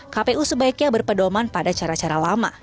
kpu sebaiknya berpedoman pada cara cara lama